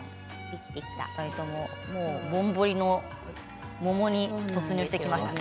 ぼんぼりの桃に突入してきましたね。